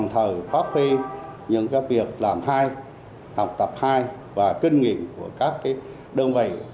thầy phát huy những việc làm hai học tập hai và kinh nghiệm của các đơn vị